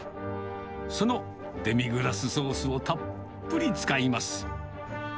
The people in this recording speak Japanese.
そのデミグラスソースをたっぷり使います。